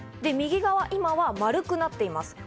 右側、今は丸くなっています。